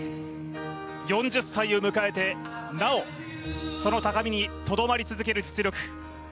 ４０歳を迎えてなお、その高みにとどまり続ける実力。